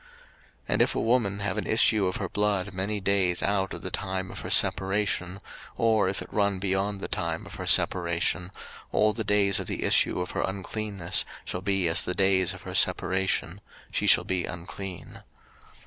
03:015:025 And if a woman have an issue of her blood many days out of the time of her separation, or if it run beyond the time of her separation; all the days of the issue of her uncleanness shall be as the days of her separation: she shall be unclean.